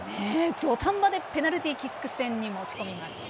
土壇場でペナルティーキック戦に持ち込みます。